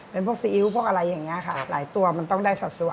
เป็นพวกซีอิ๊วพวกอะไรอย่างนี้ค่ะหลายตัวมันต้องได้สัดส่วน